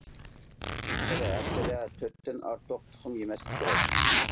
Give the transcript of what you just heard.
بىر ھەپتىدە تۆتتىن ئارتۇق تۇخۇم يېمەسلىك كېرەك.